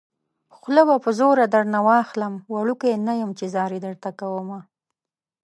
خوله به په زوره درنه واخلم وړوکی نه يم چې ځاري درته کومه